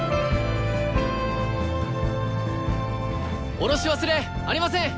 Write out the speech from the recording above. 降ろし忘れありません！